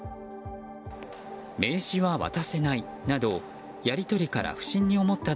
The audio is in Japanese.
名刺は渡せないなどやり取りから不審に思った